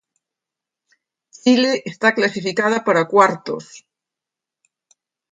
Chile está clasificada para cuartos.